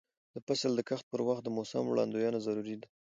د فصل د کښت پر وخت د موسم وړاندوینه ضروري ده.